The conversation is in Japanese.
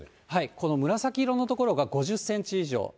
この紫色の所が５０センチ以上。